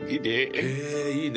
へえいいね。